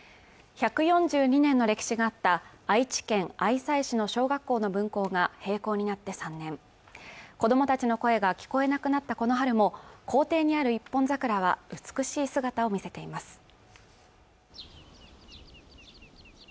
１４２年の歴史があった愛知県愛西市の小学校の分校が閉校になって３年子供たちの声が聞こえなくなったこの春も校庭にある一本桜は美しい姿を見せています